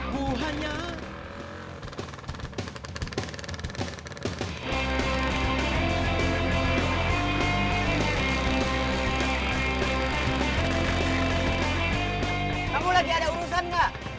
kamu lagi ada urusan gak